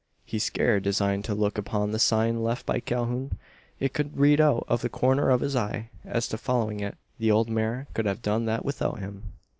He scarce deigned to look upon the "sign" left by Calhoun. It he could read out of the corner of his eye. As to following it, the old mare could have done that without him!